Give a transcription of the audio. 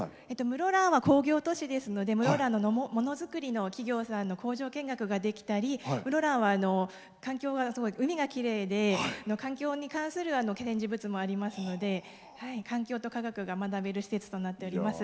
室蘭は工業都市なので室蘭のものづくりの工場見学ができたり室蘭は、環境は海がきれいで環境に関する展示物もありますので環境と科学が学べる施設となっております。